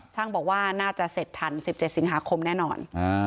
บอกว่าน่าจะเสร็จทัน๑๗สิงหาคมแน่นอน